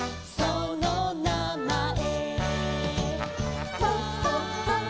そのなまえ」